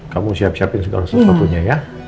kamu siap siapin segala sesuatunya ya